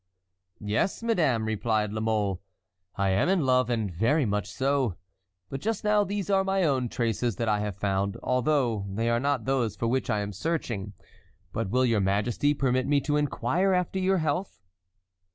"Yes, madame," replied La Mole, "I am in love, and very much so. But just now these are my own traces that I have found, although they are not those for which I am searching. But will your majesty permit me to inquire after your health?"